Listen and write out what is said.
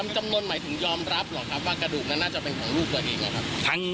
จำนวนหมายถึงยอมรับเหรอครับว่ากระดูกนั้นน่าจะเป็นของลูกตัวเองนะครับ